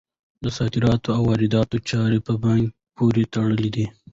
د صادراتو او وارداتو چارې په بانک پورې تړلي دي.